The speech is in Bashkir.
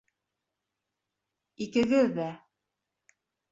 Икегеҙҙә!